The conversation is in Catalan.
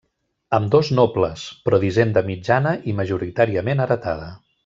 Ambdós nobles, però d'hisenda mitjana i majoritàriament heretada.